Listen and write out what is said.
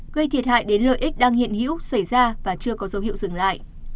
gây thiệt hại đến lợi ích đang hiện hữu xảy ra và chưa có dấu hiệu dừng lại